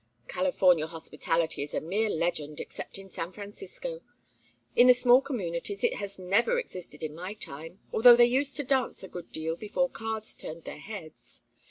"California hospitality is a mere legend except in San Francisco. In the small communities it has never existed in my time, although they used to dance a good deal before cards turned their heads.